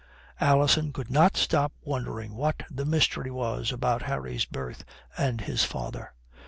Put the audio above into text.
Alison could not stop wondering what the mystery was about Harry's birth and his father.